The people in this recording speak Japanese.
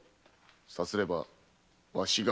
さすればわしが藩主。